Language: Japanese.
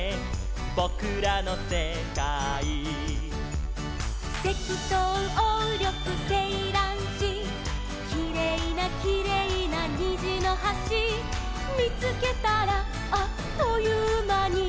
「ぼくらのせかい」「セキトウオウリョクセイランシ」「きれいなきれいなにじのはし」「みつけたらあっというまに」